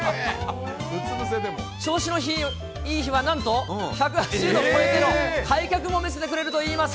調子のいい日はなんと１８０度超えての開脚も見せてくれるといいます。